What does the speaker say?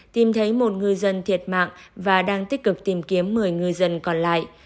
tìm thấy một ngư dân thiệt mạng và đang tích cực tìm kiếm một mươi ngư dân còn lại